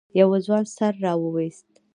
يوه ځوان سر راويست.